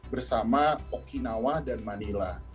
bersama okinawa dan manila